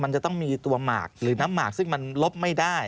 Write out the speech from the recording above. มันจะต้องมีตัวหมากหรือน้ำหมากซึ่งมันลบไม่ได้